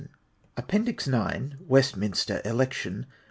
435 APPENDIX IX. WESTMINSTER ELECTION.